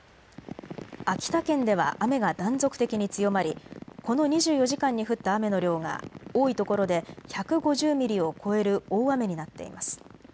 秋田県では雨が断続的に強まりこの２４時間に降った雨の量が多いところで１５０ミリを超える大雨になっています。